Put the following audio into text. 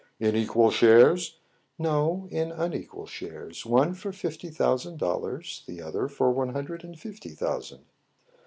In equal shares ?"" No, in unequal shares. One for fifty thousand dollars, the other for one hundred and fifty thou sand."